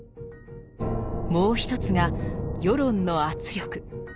もう一つが世論の圧力。